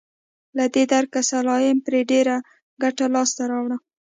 له دې درکه سلایم پرې ډېره ګټه لاسته راوړه.